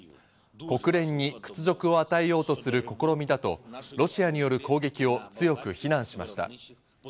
国連に屈辱を与えようとする試みだとロシアによる攻撃を強く非難しました。